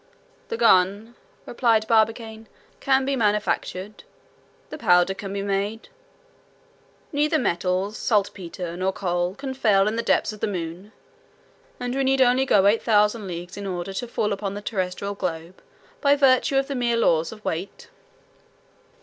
"The gun," replied Barbicane, "can be manufactured. The powder can be made. Neither metals, saltpeter, nor coal can fail in the depths of the moon, and we need only go 8,000 leagues in order to fall upon the terrestrial globe by virtue of the mere laws of weight."